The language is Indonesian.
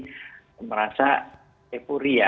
jadi merasa depuria